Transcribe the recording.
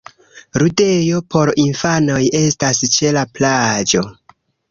Ludejo por infanoj estas ĉe la plaĝo.